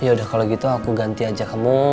yaudah kalo gitu aku ganti aja